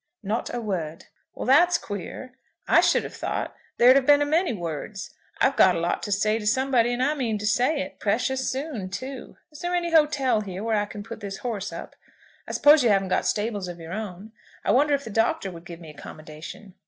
"Not a word." "Well, that's queer. I should have thought there'd have been a many words. I've got a lot to say to somebody, and mean to say it; precious soon too. Is there any hotel here, where I can put this horse up? I suppose you haven't got stables of your own? I wonder if the Doctor would give me accommodation?"